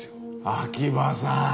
秋葉さん。